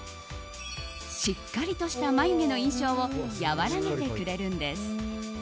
しっかりとした眉毛の印象を和らげてくれるんです。